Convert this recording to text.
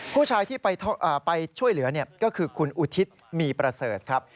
ผู้ชายที่ไปช่วยเหลือก็คือคุณอุทิศมีประเสริฐครับ